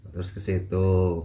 terus ke situ